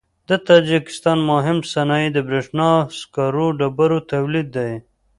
د تاجکستان مهم صنایع د برېښنا او سکرو ډبرو تولید دی.